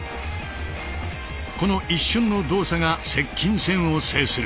この一瞬の動作が接近戦を制する。